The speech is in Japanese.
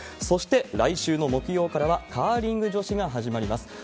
そして、来週の木曜からはカーリング女子が始まります。